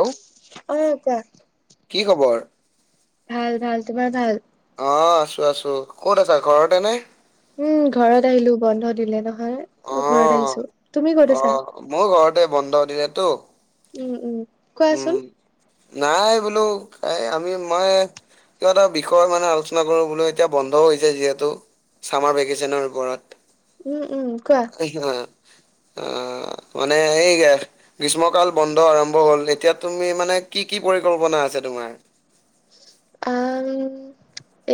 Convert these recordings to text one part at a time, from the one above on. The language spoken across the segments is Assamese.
হেল্ল' অঁ কোৱা! কি খবৰ? ভাল, ভাল! তোমাৰ ভাল? অঁ আছোঁ, আছোঁ! ক'ত আছা, ঘৰতে নে? উম ঘৰত আহিলোঁ, বন্ধ দিলে নহয় ত ঘৰত অ' আহিছোঁ! অ' মউ ঘৰতে, বন্ধ দিলেতো! উম, উম! উম। কোৱাচোন? নাই বোলো এই আমি মই কিবা এটা বিষয় মানে আলোচনা কৰোঁ বোলো, এতিয়া বন্ধ হৈছে যিহেতু! চামাৰ ভেকেশ্যনৰ ওপৰত! উম, উম! কোৱা? অ মানে এই গ্ৰীষ্মকাল বন্ধ আৰম্ভ হ'ল [inaudible] এতিয়া তুমি মানে কি, কি পৰিকল্পনা আছে তোমাৰ? আম উম,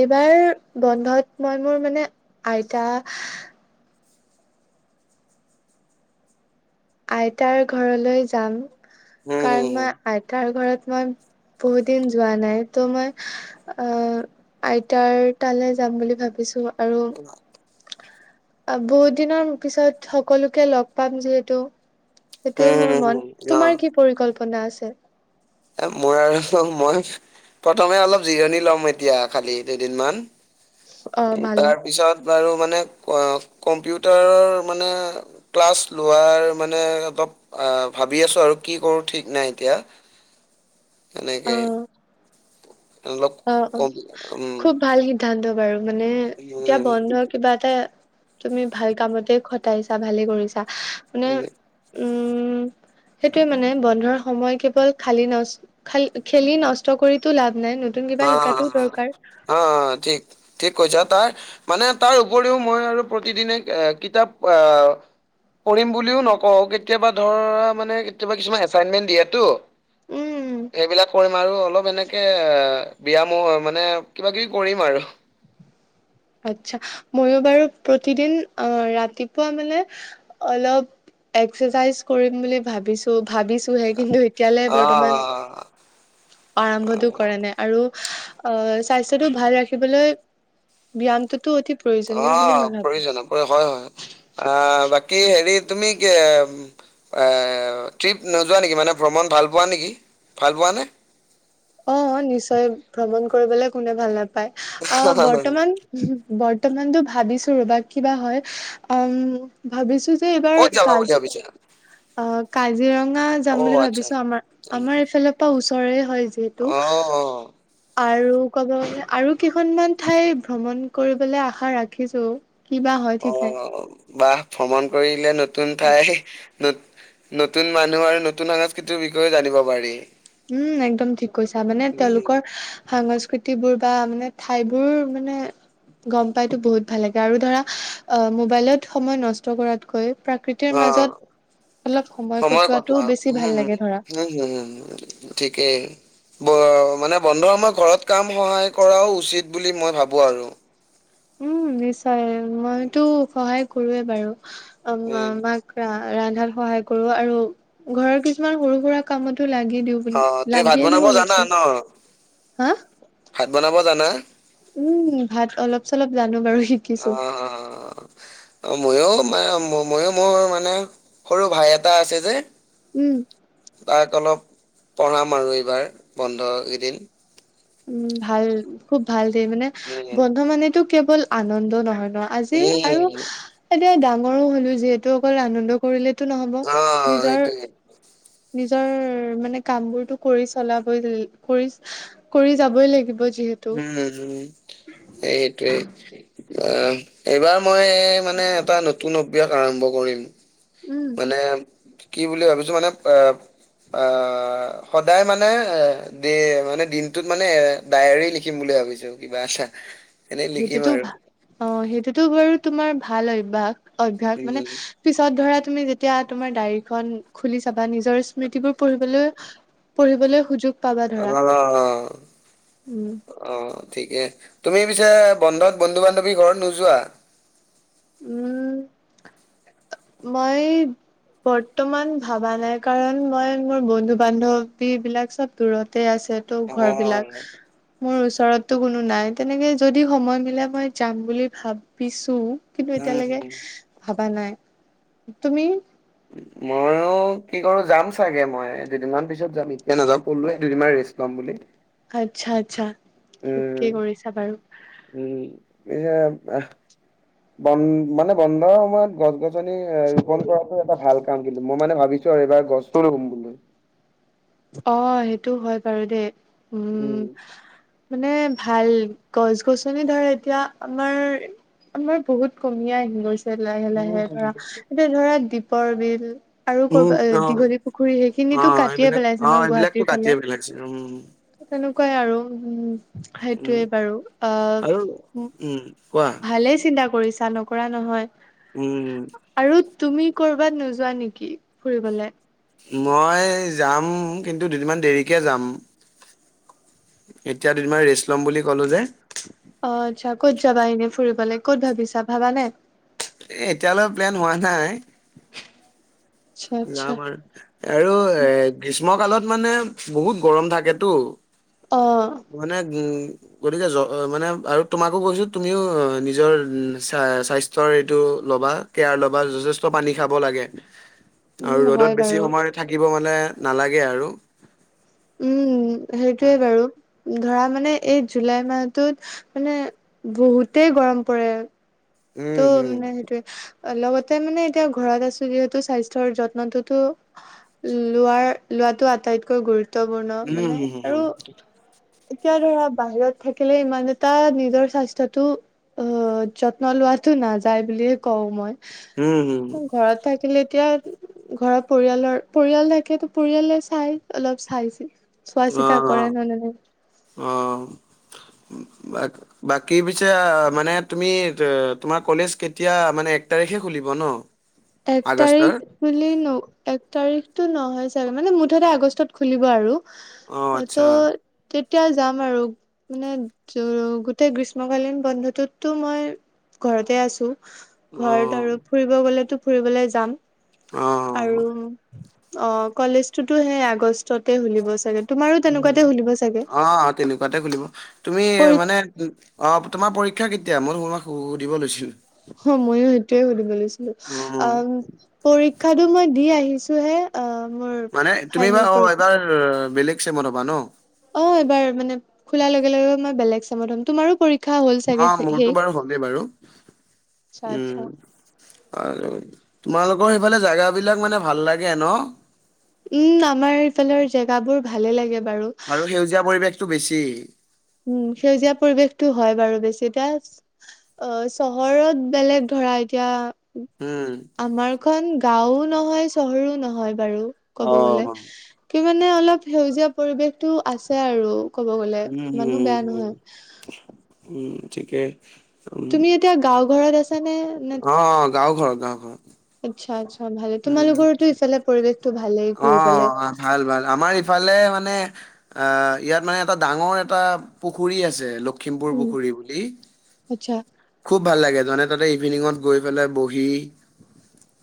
এইবাৰ বন্ধত মই মোৰ মানে আইতা আইতাৰ ঘৰলৈ যাম, উম, হুম, কাৰণ হুম, মই আইতাৰ ঘৰত মই বহুত দিন যোৱা নাই ত' মই আ আইতাৰ তালে যাম বুলি ভাবিছোঁ আৰু আ, বহুত দিনৰ পিছত সকলোকে লগ পাম যিহেতু। সেইটোৱে হুম, মোৰ হুম, মন, হুম, অ'। তোমাৰ কি পৰিকল্পনা আছে? এ, মোৰ আৰু মই প্ৰথমে অলপ জিৰণি লম এতিয়া খালি দুদিনমান। অ উ, ভালে তাৰ পিছত বাৰু মানে আ, কম্পিউটাৰৰ মানে ক্লাছ লোৱাৰ মানে অলপ আ, ভাবি আছো আৰু কি কৰো ঠিক নাই এতিয়া। এনেকে। [unintelligible] অলপ অ', কম অ', উম খুব ভাল সিদ্ধান্ত বাৰু মানে এতিয়া উম বন্ধ কিবা এটা তুমি ভাল কামতে খটাইছা ভালে কৰিছা। মানে উম, উম সেইটোৱে মানে বন্ধৰ সময় কেৱল খালী নচ খাল খেলি নষ্ট কৰিতো লাভ নাই নুত অ', অ', অ', অ', ঠিক। ঠিক কৈছা তাৰ, মানে তাৰ উপৰিও মই আৰু প্ৰতিদিনে আ, কিতাপ আ পঢ়িম বুলিও নকওঁ কেতিয়াবা ধৰা মানে কেতিয়াবা কিছুমান এচাইনমেন্ট দিয়াতো। উম সেইবিলাক কৰিম আৰু অলপ এনেকে এ বিয়ামো মানে কিবা কিবি কৰিম আৰু। আচ্ছা, ময়ো বাৰু প্ৰতিদিন আ, ৰাতিপুৱা মানে অলপ এক্সাৰচাইজ কৰিম বুলি ভাবিছোঁ ভাবিছোঁহে কিন্তু এতিয়ালৈ বৰ্তমান অ', অ'। আৰম্ভটো কৰা না আৰু আ, স্বাস্থ্যটো ভাল ৰাখিবলৈ ব্যামটোতো অতি প্ৰয়োজনীয় বুলি অ' মই ভাবো। প্ৰয়োজন প্ৰ হয় হয়। আ, বাকী হেৰি তুমি কি আ, ট্ৰিপ নোযোৱা নেকি মানে ভ্ৰমণ ভাল পোৱা নেকি ভাল পোৱা নে? অ' নিশ্চয় ভ্ৰমণ কৰিবলৈ কোনে ভাল নাপায়। আ, বৰ্তমান বৰ্তমানতো ভাবিছোঁ ৰ'বা কিবা হয়, আম ভাবিছোঁ যে এইবাৰ ক'ত কজি [inaudible] আ, কাজিৰঙা যাম অ', বুলি আচ্ছা। ভাবিছোঁ আমাৰ, অ', আমাৰ এইফেলে পৰা ওচৰে হয় য যিহেতু। অ', আৰু ক'ব গ'লে আৰু কেইখনমান ঠাই ভ্ৰমণ কৰিবলৈ আশা ৰাখিছোঁ। কিবা হয়। অ' বাহ ভ্ৰমণ কৰিলে নতুন ঠাই নত, নতুন মানুহৰ নতুন সংস্কৃতিৰ বিষয়ে জানিব পাৰি। উম, একদম ঠিক কৈছা মানে উম, তেওঁলোকৰ সাংস্কৃতিবোৰ বা মানে ঠাইবোৰ মানে গম পাইতো বহুত ভাল লাগে আৰু ধৰা আ, মোবাইলত সময় নষ্ট কৰাতকৈ প্ৰাকৃতিৰ অ'। মাজত অলপ সময় কটোৱা কটোৱাটোও বেছি উম হম ভাল লাগে ধৰা। [unintelligible] ঠিকেই। ব, মানে বন্ধ সময়ত ঘৰত কাম সহায় কৰাও উচিত বুলি মই ভাবোঁ আৰু। উম, নিশ্চয় মইতো সহায় কৰোৱে বাৰু, আম উম আমাক ৰা-ৰান্ধাত সহায় কৰোঁ আৰু ঘৰৰ কিছুমান সৰু সুৰা কামতো লাগি দিওঁ। বুলি অ', তুমি ভাত লাগিয়ে দিওঁ বনাব অলপ জানা চলপ ন'? হা ভাত বনাব জানা? উম, ভাত অলপ চলপ জানো বাৰু অ শিকিছোঁ। অ' ময়ো মা ম-ময়ো মোৰ মানে সৰু ভাই এটা আছে যে উম। তাক অলপ পঢ়াম আৰু এইবাৰ বন্ধ কেইদিন। উম, ভাল খুব ভাল দে, মানে উম বন্ধ মানেতো কেৱল আনন্দ নহয় ন'। আজিৰ আৰু উম এতিয়া ডাঙৰো হ'লো যিহেতু অকল আনন্দ কৰিলেতো নহ'ব অ নিজৰ [inaudible] নিজৰ মানে কামবোৰটো কৰি চলাব কৰি কৰি যাবই লাগিব যিহে উম, হু, এইটোৱেই। আ এইবাৰ মই মানে এটা নতুন অভ্যাস আৰম্ভ কৰিম। উম মানে কি বুলি ভাবিছোঁ মানে আহ আ সদায় মানে দে মানে দিনটোত মানে ডায়েৰী লিখিম বুলি ভাবিছো কিবা এটা। এনেই লিখিম সেইটোতো আৰু ভা অ সেইটোতো বাৰু তোমাৰ ভাল অভ্যাস অভ্যাস মানে উম পিছত ধৰা তুমি যেতিয়া তোমাৰ ডায়ৰীখন খুলি চাবা নিজৰ স্মৃতিবোৰ পঢ়িবলৈ পঢ়িবলৈ সুযোগ পাবা অ। ধৰা উম অ ঠিকে। তুমি পিছে বন্ধত বন্ধু-বান্ধৱীৰ ঘৰত নোযোৱা? উম মই বৰ্তমান ভাবা নাই কাৰণ মই মোৰ বন্ধু-বান্ধৱীবিলাক চব দূৰতে আছ আছে ত' অ ঘৰবিলাক। মোৰ ওচৰত টো কোনো নাই তেনেকে যদি সময় মিলে মই যাম বুলি ভাবিছো। কিন্তু এতিয়ালেকে উম ভাবা নাই। তুমি? মইয়ো কি কৰো যাম চাগে মই দুদিনমান পিছত যাম এতিয়া নাযাও ক'লোৱে দুদিনমান ৰেষ্ট ল'ম বুলি। আচ্ছা আচ্ছা। উম। ঠিকেই কৰিছা বাৰু উম, এইয়া আ বন মানে বন্ধ সময়ত গছ-গছ গছনি ৰোপন কৰাটো এটা ভাল কাম কিন্তু। মই মানে ভাবিছো আৰু এইবাৰ গছো ৰুম বুলি। অ সেইটো হয় বাৰু দেই। উম। মানে ভাল গছ-গছনি ধৰা এতিয়া আমাৰ আমাৰ বহুত কমিয়ে আহি গৈছে লাহে লাহে ধৰা। এতিয়া ধৰা দীপৰ বিল আৰু উম, ক'ৰবাত অ', দীঘলী পুখুৰী সেইখিনিটো অ', কাটিয়ে এইবিলাক পেলাইছে অ ন সেইবিলাকটো গুৱাহাটীৰ ফালে কাটিয়ে পেলাইছে উম। তেনেকুৱাই আৰু উম। সেইটোৱে উম বাৰু আহ আৰু উম কোৱা। ভালেই চিন্তা কৰিছা নকৰা নহয়। উম। আৰু তুমি ক'ৰবাত নোযোৱা নিকি ফুৰিবলে? মই যাম কিন্তু দুদিনমান দেৰিকে যাম। এতিয়া দুদিনমান ৰেষ্ট ল'ম বুলি ক'লো যে। অ আচ্ছা ক'ত যাবা ইনে ফুৰিবলে ক'ত ভাবিছা ভাবা নাই? এ এতিয়ালৈ প্লেন হোৱা নাই। আচ্ছা আচ্ছা যাম আৰু আৰু এ গ্ৰীষ্ম কালত মানে বহুত গৰম থাকেতো। অ মানে উম গতিকে জ মানে আৰু তোমাকো কৈছো তুমিও নিজৰ স্বাস্থ্যৰ এইটো ল'বা কেয়াৰ ল'বা যথেষ্ট পানী খাব লাগে। আৰু উম ৰ'দত হয় বেছি বাৰু সময় থাকিব মানে নালাগে আৰু। উম সেইটোৱে উম বাৰু ধৰা মানে এই জুলাই মাহটোত মানে বহুতেই গৰম পৰে। উম ত' হম মানে সেইটোয়ে লগতে মানে এতিয়া ঘৰত আছো যিহেতু স্বাস্থ্যৰ যত্নটোতো লোৱাৰ লোৱাটো আটাইতকৈ গুৰুত্বপূৰ্ণ উম মানে হম হম আৰু হম এতিয়া ধৰা বাহিৰত থাকিলে ইমান এটা নিজৰ স্বাস্থ্যটো অ যত্ন লোৱাটো নাযায় বুলিয়ে কওঁ মই। উম, হম। ঘৰত থাকিলে এতিয়া ঘৰৰ পৰিয়ালৰ, পৰিয়াল থাকিলে তো পৰিয়ালে চাই অলপ চাইছিল অ', অ', অ', বাৰু। বাকী পিছে মানে তুমি ত তোমাৰ কলেজ কেতিয়া মানে এক তাৰিখে খুলিব ন? এক আগষ্টৰ তাৰিখ বুলি এক তাৰিখতটো নহয় চাগে মানে মুঠতে আগষ্টত খুলিব আৰু। অ আচ্ছা ত' তেতিয়া যাম আৰু। মানে গোটেই গ্ৰীষ্মকালীন বন্ধটোতো মই ঘৰতে আছোঁ, অ ঘৰত আৰু ফুৰিব গলেতো ফুৰিবলৈ যাম। অ', অ'। আৰু অ', কলেজতটোতো সেই আগষ্টতে খুলিব চাগে। তোমাৰো উম তেনেকুৱাতে খুলিব চাগে। অ তেনেকুৱাতে খুলিব। তুমি পৰি মানে অ', তোমাৰ পৰীক্ষা কেতিয়া, মই তোমাক সুধিব লৈছিলোঁ? অ', ময়ো সেইটোয়ে সুধিব লৈছিলোঁ। উম অম পৰীক্ষাটো মই দি আহিছোঁ হে। মানে তুমি এইবাৰ অ', এইবাৰ বেলেগ চেমত হবা ন? অ', এইবাৰ মানে খোলাৰ লগে, লগে মই বেলেগ চামত হ'ম। তোমাৰো পৰিক্ষ অ', মোৰতো বাৰু হলেই বাৰু, আচ্ছা আচ্ছা উম। আৰু তোমালোকৰ সেইফালে জেগা বিলাক মানে ভাল লাগে ন? উম, আমাৰ এইফালৰ আৰু জেগাবোৰ ভালে লাগে বাৰু। আৰু সেউজীয়া পৰিৱেশটো বেছি। উম, সেউজীয়া পৰিৱেশটো হয় বাৰু বেছিকে অ, চহৰত বেলেগ ধৰা এতিয়া উম। আমাৰ খন গাও নহয় চহৰো নহয় বাৰু অ ক'ব গলে। কে মানে অলপ সেউজীয়া পৰিৱেশটো আছে আৰু ক'ব গলে। উম ইমানো বেয়া উম, নহয় উম, ঠিকে। উম তুমি এতিয়া গাঁও ঘৰত আছনে নে? অ', গাঁও ঘৰত, গাঁও ঘৰত। আচ্ছা, আচ্ছা ভালে। তোমালোকৰো ইফালে পৰিৱেশতো ভালেই। ঘুৰিবলে অ', ভাল, ভাল আমাৰ ইফালে মানে আ, ইয়াত মানে এটা ডাঙৰ এটা পুখুৰী আছে খিমপুৰ উম পুখুৰী বুলি। আচ্ছা খুব ভাল লাগে যতে-ততে ইভিনিঙত গৈ পেলাই বহি।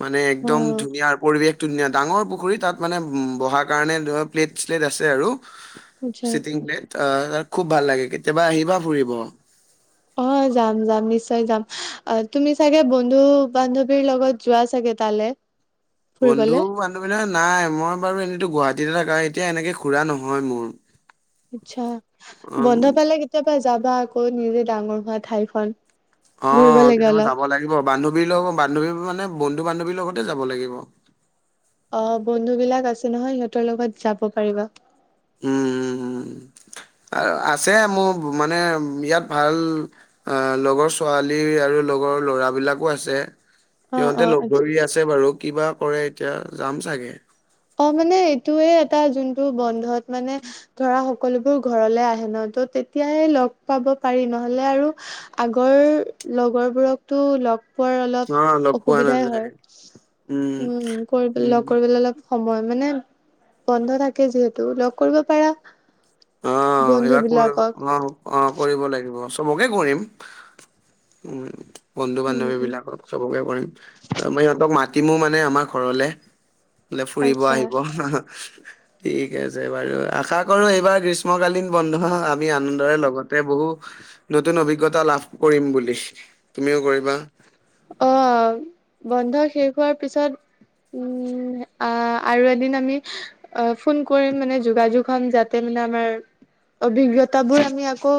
মানে অ একদম ধুনীয়াৰ পৰিৱেশটো ধুনীয়া ডাঙৰ পুখুৰীত তাত মানে উম বহাৰ কাৰণে ধৰ প্লেট-শ্লেট আছে আৰু, আচ্ছা চিটিং প্লেট। অ, খুব ভাল লাগে। কেতিয়াবা আহিবা ফুৰিব। অ', যাম, যাম নিশ্চয় যাম, অ, তুমি চাগে বন্ধু বান্ধৱীৰ লগত যোৱা চাগে তালৈ? [inaudible] বন্ধু বান্ধৱী লগত নাই। মই বাৰু এনেতো গুৱাহাটীত থাকা হয়, এতিয়া এনেকে ঘূৰা নহয় মোৰ। আচ্ছা, অ', বন্ধ পালে কেতিয়াবা যাবা আকৌ নিজে ডাঙৰ হোৱা ঠাইখন। ঘুৰিব অ', লাগে কেতিয়াবা অলপ যাব লাগিব, বান্ধৱীৰ লগত বান্ধৱী মানে বন্ধু বান্ধৱীৰ লগতে যাব লাগিব। অ', বন্ধু বিলাক আছে নহয় সিহঁতৰ লগত যাব পাৰিবা। উম, উম, উম, আছে মোৰ মানে বিৰাট ভাল আঁহ লগৰ ছোৱালী আৰু লগৰ ল'ৰাবিলাকো আছে। অ অ সিহঁতে লগ আচ্ছা ধৰি আছে বাৰু কিবা কৰে এতিয়া যাম চাগে। অ মানে এইটোয়ে এটা যোনটো বন্ধত মানে ধৰা সকলোবোৰ ঘৰলে আহে ন। ত' তেতিয়াই লগ পাব পাৰি ন'হলে আৰু আগৰ লগৰবোৰকটো লগ পোৱাৰ অলপ অ', লগ পোৱা অসুবিধাই হয়। নাযায়। উম, কৰিবলে উম। লগ কৰিবলে অলপ সময় মানে বন্ধ থাকে যিহেতু লগ কৰিব পাৰা [inaudible] বন্ধু বিলাকক অঁ, কৰিব লাগিব। চবকে কৰিম, উম বন্ধু উম বান্ধৱী উম বিলাকক। চবকে কৰিম, মই সিহঁতক মাতিমো মানে আমাৰ ঘৰলে। বোলে ফুৰিব আচ্ছা আহিব ঠিক আছে বাৰু আশা কৰো এইবাৰ গ্ৰীষ্মকালীন বন্ধ এই আনন্দৰে লগতে বহু নতুন অভিজ্ঞতা লাভ কৰিম বুলি তুমিও কৰিবা। অঁ, বন্ধ শেষ হোৱাৰ পিছত, উম, আহ আৰু এদিন আমি অঁ, ফোন কৰিম মানে যোগাযোগ হ'ম যাতে মানে আমাৰ অভিজ্ঞতা বোৰ আমি আকৌ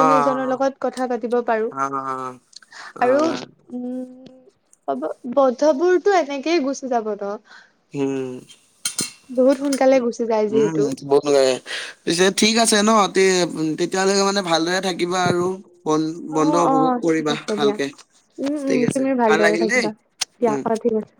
অ সিজনৰ লগত কথা পাতিব পাৰো অ অ অ আৰু উম, হ'ব বন্ধবোৰতো এনেকেই গুচি যাব ত। হম, গুচি যায় উম যিহেতু এইটো বহুত মজা লাগে। পিছে ঠিক আছে ন, তে তেতিয়ালৈকে মানে ভালদৰে থাকিবা আৰু বন অ বন্ধ অ উপভোগ ঠিক কৰিবা আছে দিয়া ভালকে। উম উম ঠিক আছে তুমিও ভাল ভালদৰে লাগিল দেই, থাকিবা দিয়া উম। অ ঠিক আছে